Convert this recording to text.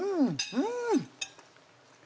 うん！